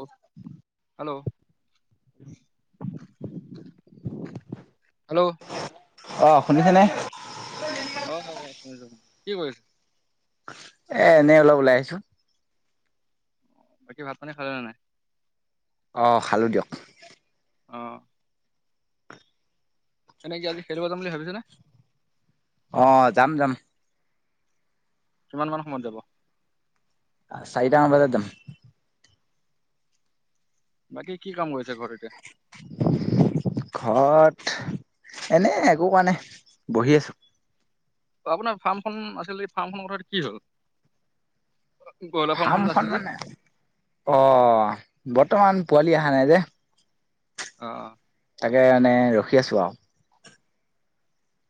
অ hello hello অ শুনিছে নে আহ শুনিছ কি কৰিছে এ এনেই অলপ লাই আহিছো। বাকী ভাত পানী খালে নে নাই আহ খালো দিয়ক অ এনে কি আজি খেলিব যাম বুলি ভাবিছ নে অ যাম যাম কিমান মান সময়ত যাব চাই টা মান বজাত যাম বাকী কি কাম কৰিছে ঘৰত এতিয়া ঘৰত এনে একো কাৰণাই বহি আছো আপোনাৰ ফাৰ্মখন আছিল ফাৰ্ম খনৰ কথাটো কি হ'ল ব্ৰইলাৰ যে ফাৰ্মখন আছিল যে মানে অ বৰ্তমান পোৱালি অহা নাই যে অ তাকে মনে ৰখি আছো আৰু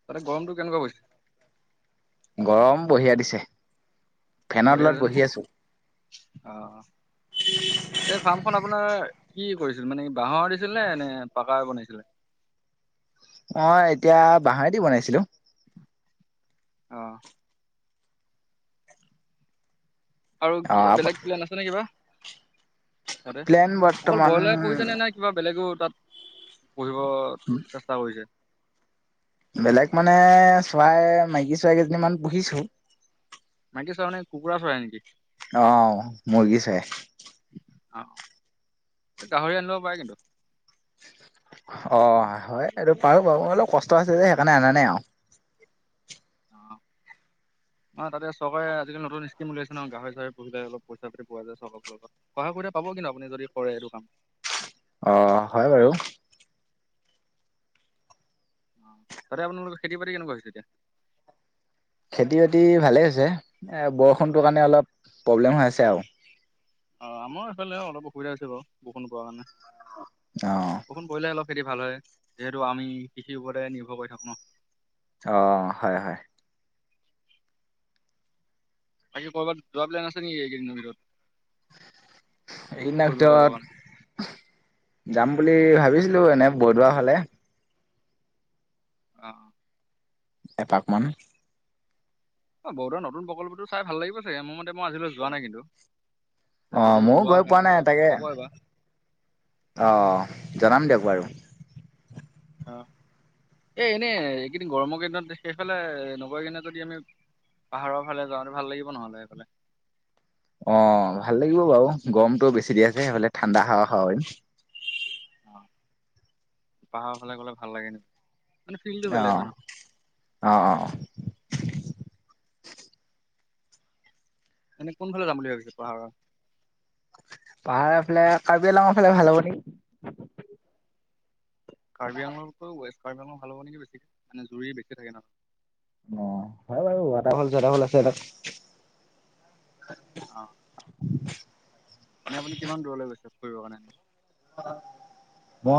তাতে গৰমটো কেনেকুৱা পৰিছে গৰম বহিয়া দিছে ফেনৰ বঢ়িয়া হৈছে তলত নে বহি আছো অ এই ফাৰ্মখন আপোনাৰ কি কৰিছিল মানে বাঁহৰ দিছিলে নে পকাৰ বনাইছিলে মই এতিয়া বহৰেদি বনাইছিলো অঁ আৰু অ বেলেগ প্লেলেন আছে নে কিবা ততে প্লেন অকল বৰ্তমান ব্ৰইলাৰে পঢহিছে নে নাই কিবা বেলেগৰ তাত পঢ়িব চেষ্টা কৰিছে বেলেগ মানে চৰাই মাইকী চৰাই কেইজনীমান পুহিছো নে চানে কুৰা চৰা নেি অ মুৰ্গী চৰাই অ গাহৰি আনিব পাৰে কিন্তু অ হয় এইটো পাৰো বাৰ অলপ কষ্ট আছে যে সেইকাৰণে অনা নাই আৰু আহ ন তা চৰকাৰে আজিকাল নতুন স্কম উলাইছে ন গাহৰি চাহৰি পুহিলে অল পইচাতি পোৱা যায় চৰ লগত সহা সতে পাব কিন্তু আপুনি যদি কৰে এইটো কাম অ হয় বাৰু আহ তাতে আপোনালোকৰ খেতি বাতি কেনেকুৱা হৈছে এতিয়া খেতি বাতি ভালেই হৈছে এ বৰষুণটোৰ কাৰণে অলপ প্ৰব্লেম হৈ আছে আৰু অ আমাৰ এইফালে অলপ অসুবিধা হৈছে বাৰু বৰষুণ পোৱা কাৰণে অ' বৰষুণ পৰিলে অলপ খেতি ভাল হয় যিহেতু আমি কৃষিৰ ওপৰতে নিৰ্ভৰ কৰি থাকো ন অ হয় হয় বাকী কৰ'ৰবাত দৰা প্লোইন আছে নেকি এইকেইদিনৰ ভিতৰত ফুৰিব এইদিনাৰত কৰিব কাৰণে? যাম বুলি ভাবিছো এনে বু দুৱাৰ হাললে অ এপাকমানান অ বহুতৰ নতুন প্ৰকল্পটো চাই ভাল লাগিব চ মোৰ মতে মই আজিলৈ যোৱা নাই কিন্তু অ যদি ময়ো ওলোৱা গৈ হয় পোৱা নাই মোকো তাকে ক'ব এবাৰ। অ জনাম দিয়ক বাৰো অ এ এনেই এইকেইদিন গৰমৰ কেইদিনত সেইফাললে নগৰকেইিনত যদি আমি পাহাৰৰ ফালে যাওঁতে ভাল লাগিব নহলে এইফালে অ ভাল লাগিব বাৰু গৰমটো বেছি দি আছে সেইফালে ঠাণ্ডা হাৱা খাৱ অ পাহাৰ হালে গলে ভাল লাগে নেকি মানে ফিল্ডটো বেলেগ আহ হয় ন আহ আহ এনেই কোনফালে যাম বুলি ভাবিছো পাহাৰৰ পাহাৰৰ ফালে কাৰ্বি আলাঙৰ ফালে ভাল হ'ব নেকি কাৰ্বি আংলতকৈ ৱেষ্ট কাৰি আং ভাল হ'ব নেকি বেছিকৈ মানে জুই বেছি থাকে নহয় অ হয় বাৰু ৱাটাৰফল চটাৰফল আছে তাত অ এনে আপুনি কিমান দূৰলৈ গৈছে ফুৰিবৰ কাৰণে নেকি অ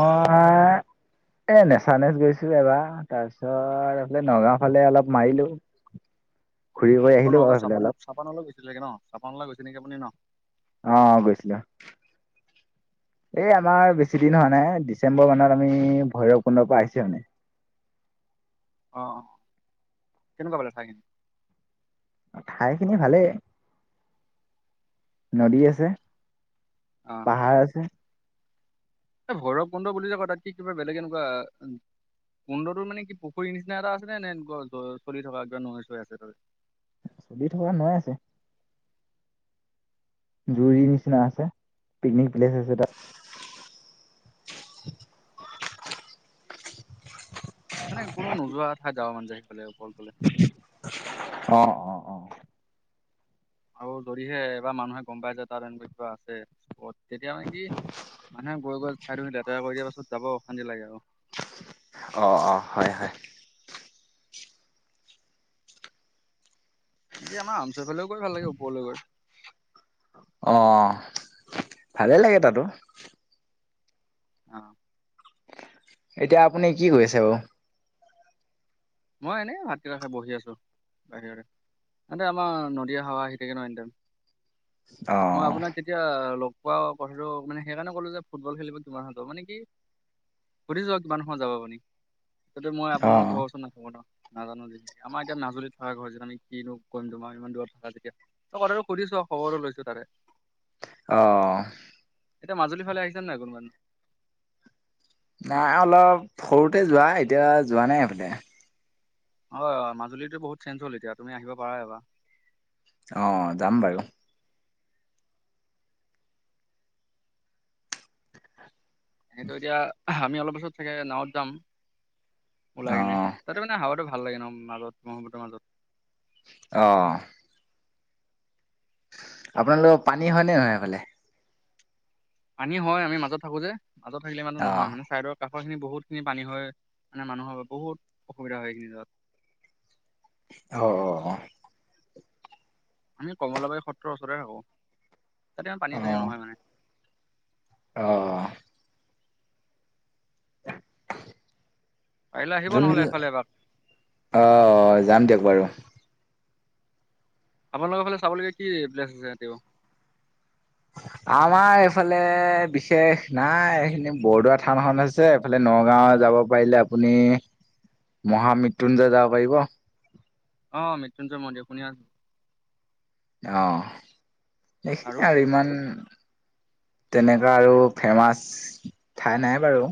এ নেচা নেচ গৈছো এবাৰ তাৰপিছত এইফালে নগাও ফালে অলপ মাৰিলো [unintelligible] ঘূৰি কৰি অ আহিলো বাৰু নকৌ সেইফালে চাপান অলপ চাপানলৈ গৈছিলেগে ন চাপানলৈ গৈছে নেকি আপুনি ন অ গৈছিলা [inaudible] এই আমাৰ বেছি দিন হোৱা নাই। ডিচেম্বৰ মানত আমি ভৈৰৱ কুণ্ডৰ পৰা আহিছো মানে অ অ কেনেকুৱা পালা চাইকিনি ঠাইখিনি ভালেই নদী আছে। পাহাৰ আছে। এ ভৈৰৱ [unintelligible] বুলি য ক তাত কি কিবা বেলেগ এনেকুৱা সুন্দৰটোৰ মানে কি পুখুৰীৰ নিচিনা এটা আছে নে নে চলি থকা একবম নৈ চৈ আছে ত চলি থকা নাই আছে। জুৰৰ নিচিনা আছে পিকনিক প্লেচ আছে তাত [inaudible] মানে কোনো নোযোৱা কথা যাৱ মান য সফাললে অ-অ-অ আৰু যদিহে এবাৰ মানুহে গম পাই যে তাত এনেকুৱা কিবা আছে তেতিয়া মানে কি মানুহে গৈ-গৈ ঠাইটোহি লেতেৰা কৰি দিয়া পাছত যাব অশান্তি লাগে আৰু অ-অ হয়-হয় [unintelligible] আমাৰ হোমচাইফালেও গৈ ভাল লাগে ওপৰলৈ গৈ অ ভালেই লাগে তাতো অ, এতিয়া আপুনি কি কৰি আছে বাও মই এনে হাত কষে বহি আছো বাহিৰৰে এতে আমাৰ নদীয়ে হাৱা আহি থাকে নহয় একদম মই আপোনাক অ কেতিয়া লগ কোৱা কথাটো মানে সেইকাৰণে ক'লো যে ফুটবল খেলিব কিমাৰ হাততৰ মানে কি সুধিছোৱা কিমান সময়ত যাব আপুনি ততে মই অ আপোনালোক ঘৰ ওচৰত ন নাজানো আমাৰ এতিয়া মাজুলী থকা ঘৰ যে আমি কিনো কৰিম তোমাৰ ইমান দূৰত থকা যেতিয়া সুধিছো খবৰো লৈছো তাতে অ, এতিয়া মাজুলীৰ ফালে আহিছে নাই কোনোবান নাই অলপ সৰুতে যোৱা এতিয়া যোৱা নাই। এইফালে হয়-হয় মাজুলীতটো বহুত চেঞ্জ হ'ল এতিয়া তুমি আহিব পাৰা এবাৰ অ, যাম বাৰু কিন্তু এতিয়া আমি অলপ বছৰত থাকে নাৱত যাম। ওলাই কিনে অ' তাতে মানে হাৱাটো ভাল লাগে ন মাজত মহুতৰ মাজত আহ, আপোনালোকৰ পানী হয়নে নহয় এফালে পানী হয়, আমি মাজত থাকো যে মাজত থাকিলে মানো অ' নহয় মানে চাইদৰ কাষ খিনি বহুতখিনি পানী হয় মানে মানুহৰ বহুত অসুবিধা হয় এইখিনি যাত অ-অ আমি কমলাবাৰী সত্ৰৰ ওচৰ থাকো তাতে ইমান পানী চানী নহয় মানে আহ, পাৰিলে আহিব যোন নহ'লে এফালে এপাক আহ যাম দিয়ক বাৰু আপোনালোকৰ ফালে চাবলগীয়া কি প্লেছ আছে এতি আমাৰ এইফালে বিশেষ নাই এইখিনি বৰদোৱা থানখন আছে এইফালে নগাঁও যাব পাৰিলে আপুনি [unintelligible] যাব পাৰিব অ মৃত্যুঞ্জয় মন্দিৰ শুনি আছো আহ সখিনে আৰু ইমান তেনেকুৱা আৰু ফেমাচ ঠাই নাই বাৰু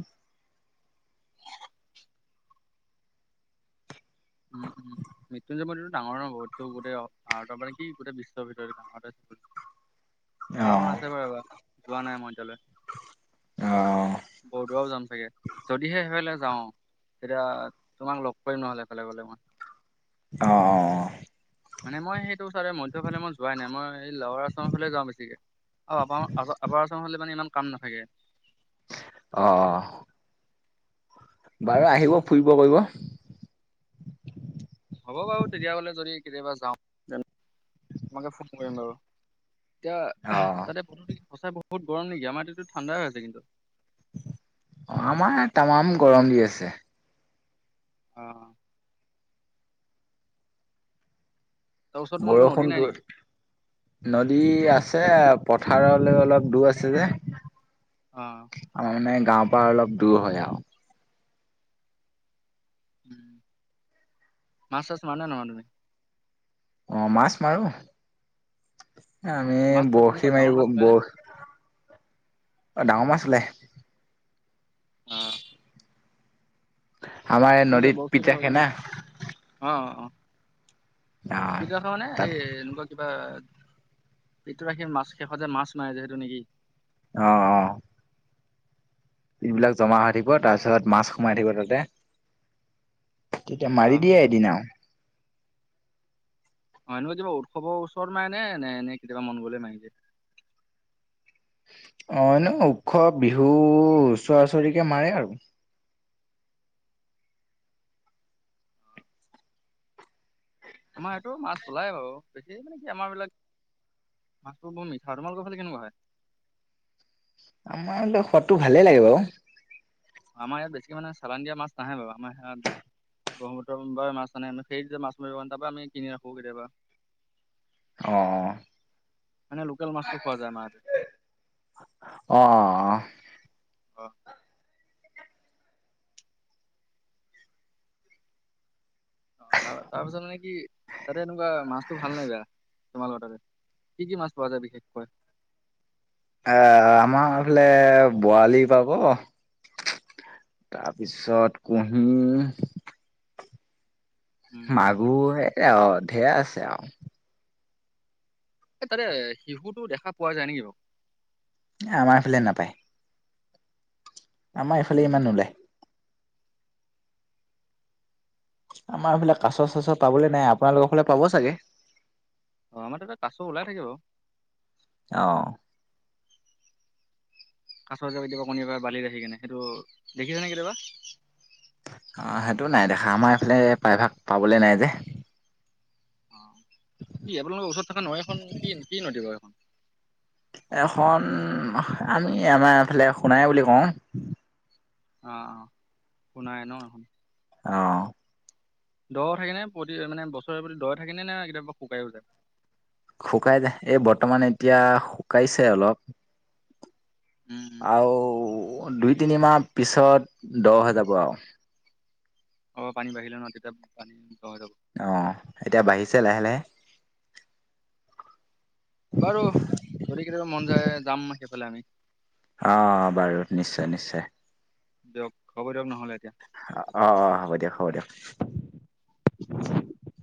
[unintelligible] [unintelligible] ডাঙৰ নহ বহুতো গোটেই আহতৰ পৰা কি গোটেই বিশ্বৰ ভিতৰ ডাঙৰ চ চাহখন অ' আছে বাৰুব যোৱা নাই মই এতিয়ালৈ অ' বৰদোৱাও যাম চাগে যদিহে সেইফ অ তেতিয়া তোমাক লগ কৰিম নহলে সেফালে গ'লে মই। অ অ অ মানে মই সেইটো চাইডে মধ্য কাৰণে মই যোৱাই নাই মই লোৱাৰ আচামৰ ফালে যাওঁ বেছিকৈ। অ আপা আপাৰ অসমৰ ফালে মানে ইমান কাম নাথাকে। অ অ বাৰু আহিব ফুৰিব পাৰিব। হ'ব বাৰু তেতিয়া হলে যদি কেতিয়াবা যাওঁ। তোমাকে ফোন কৰিম বাৰু দিয়া অ' তাতে [unintelligible] বহুত গৰম নেকি আমাৰ ইয়াতেটো ঠাণ্ডা হৈ হৈছে কিন্তু। অ আমাৰ ইয়াত তামাম গৰম দি আছে। অ তাৰ ওচৰত তোমালোকৰ নদী নাই বৰষুণটো নেকি নদী আছ এ পথাৰলৈ অলপ দূৰ আছে যে, অ আমাৰ মানে গাঁৱৰ পৰা অলপ দূৰ হয় আও মাছ চাছ মাৰানে নামাৰা তুমি? অহ মাছ মাৰো। আমি মাছ তাত কেনেকুৱা বৰশী ডাঙৰ মাৰিব মাছ ওলাই নে বৰ অ ডাঙৰ মাছ ওলাই। অ আমাৰ এই তুমি যে নদীত বৰশীৰ পিটা কথা কৈছিলা কেনা পিকা খোৱানে ই তাত এনেকুৱা কিবা পিতু ৰাখি মাছ শেষত যে মাছ মাৰে যে সেইটো নেকি অ অ এইবিলাক জমা হৈ থাকিব তাৰপিছত মাছ সোমাই থাকিব তাতে। তেতিয়া অ মাৰি দিয়ে এদিনাও অ এনেকুৱা কিবা উৎসৱৰ ওচৰত মাৰে নে নে এনে কেতিয়াবা মন গলে মাৰি দিয়ে [inaudible] অ ন উৎস বিহু ওচৰা- ওচৰিকৈ মাৰে আৰু আমাৰ এয়াটো মাছ ওলাই বাৰু বেছি মানে কি আমাৰ বিলাক মাছটো বউৎ মিঠা তোমালোকৰ ফালে কেনেকুৱা হয়? আমাৰ ন সোৱাটো ভালে লাগে বাৰু আমাৰ ইয়াত বেছিকে মানে চালান দিয়া মাছ নাহে বাৰু আমাৰ ইয়াত ব্ৰহ্মপুত্ৰ পৰা মাছ আনে [unintelligible] তাপা আমি কিনি ৰাখো কেতিয়াবা অ। মানে লোকেল মাছটো খোৱা যায় মাহঁতে অ অ অ অ বা অ তাৰ তাৰপিছত মানে কি তাতে এনেকুৱা মাছটো ভাল নে বেয়া তোমালোকৰ তাতে? কি কি মাছ পোৱা যায় বিশেষকৈ? এ আমাৰ ফালে বোৱালি পাব তাৰপিছত কুঁহি উম মাগুৰ হে অ ঢেৰ আছে অ এ তাতে শিশুটো দেখা পোৱা যায় নেকি বাও? আমাৰ ফালে নাপায়। আমাৰ ইফালে উম ইমান নোলায়। আমাৰ এইফালে কাছ চাছ পাবলে নাই আপোনালোকৰ ফালে পাব চাগে। অ আমাৰ তাতে কাছো ওলাই থাকে বাৰু। ইয় কাছৰ যে কেতিয়াবা কণী পাৰে বালিত আহিকেনে সেটো দেখিছানে কেতিয়াবা? আহ সেইটো নাই দেখা আমাৰ এইফালে প্ৰায় ভাগ পাবলৈ নাই যে। অ কি আপোনালোকৰ ওচৰত থকা নৈ খন কি কি নদী বাৰু এইখন? এখন আমি আমাৰ এইফালে সোণাই বুলি কওঁ, অ অ শুনাই ন। অ দ থাকে নে প্ৰতি মানে বছৰে প্ৰতি দ থাকেনে নে কেতিয়াবা শুকাইও যায়। শুকাই যায় এই বৰ্তমান এতিয়া শুকাইছে অলপ, উম, উম। আৰু দুই তিনিমাহ পিছত দহ হৈ যাব আৰু অ পানী বাঢ়িলে ন তেতিয়া পানী, দ হৈ যাব। অ এতিয়া বাঢ়িছে লাহে লাহে। বাৰু যদি কেতিয়াবা মন যায় যাম সেইফালে আমি, অ বাৰু নিশ্চয় নিশ্চয়, দিয়ক খবৰ দিয়ক নহলে এতিয়া অ অ হ'ব দিয়ক হ'ব দিয়ক। [unintelligible]